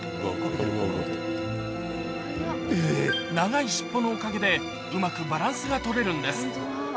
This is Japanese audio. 長い尻尾のおかげで、うまくバランスが取れるんです。